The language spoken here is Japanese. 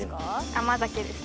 甘酒です。